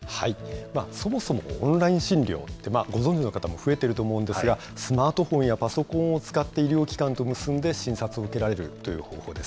そもそもオンライン診療って、ご存じの方も増えてると思うんですが、スマートフォンやパソコンを使って、医療機関と結んで診察を受けられるという方法です。